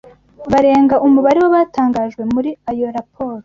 barenga umubare w’abatangajwe muri ayo raporo!